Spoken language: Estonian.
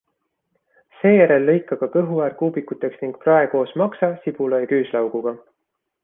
Seejärel lõika ka kõhuäär kuubikuteks ning prae koos maksa, sibula ja küüslauguga.